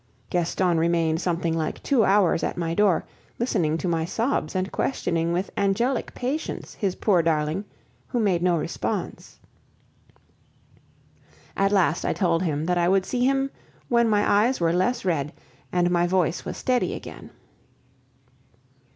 Gaston remained something like two hours at my door, listening to my sobs and questioning with angelic patience his poor darling, who made no response. At last I told him that I would see him when my eyes were less red and my voice was steady again.